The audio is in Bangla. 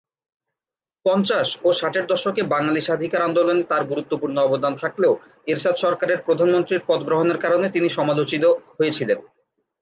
পঞ্চাশ ও ষাটের দশকে বাঙালি স্বাধিকার আন্দোলনে তার গুরুত্বপূর্ণ অবদান থাকলেও এরশাদ সরকারের প্রধানমন্ত্রীর পদ গ্রহণের কারণে তিনি সমালোচিত হয়েছিলেন।